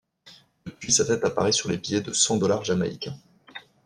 Depuis, sa tête apparaît sur les billets de cent dollars jamaïcains.